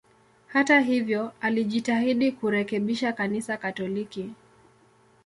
Hata hivyo, alijitahidi kurekebisha Kanisa Katoliki.